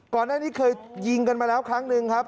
ก่อนหน้านี้เคยยิงกันมาแล้วครั้งหนึ่งครับ